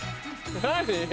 何？